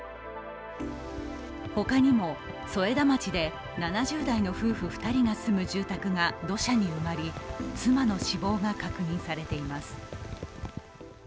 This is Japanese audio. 他にも、添田町で７０代の夫婦２人が住む住宅が土砂に埋まり、妻の死亡が確認されています。